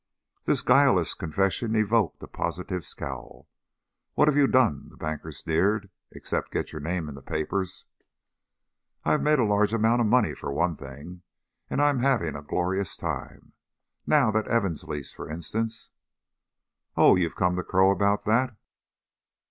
This guileless confession evoked a positive scowl. "What have you done," the banker sneered, "except get your name in the papers?" "I have made a large amount of money, for one thing, and I am having a glorious time. Now that Evans lease, for instance " "Oh! You've come to crow about that."